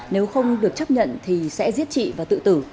nếu không được chấp nhận thì sẽ giết chị và tự tử